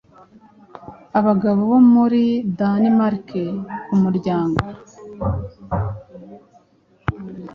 Abagabo bo muri Danemark Ku muryango